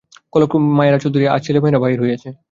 কলসকক্ষ মায়ের আঁচল ধরিয়া আজ ছেলেমেয়েরা বাহির হইয়াছে।